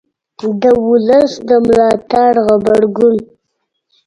د ولس د ملاتړ غبرګون